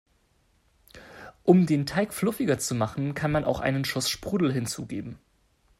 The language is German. Um den Teig fluffiger zu machen, kann man auch einen Schuss Sprudel hinzugeben.